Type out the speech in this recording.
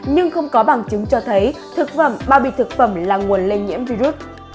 nhưng không có bằng chứng cho thấy thực phẩm bao bì thực phẩm là nguồn lây nhiễm virus